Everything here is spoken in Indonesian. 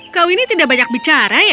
kau ini tidak banyak bicara ya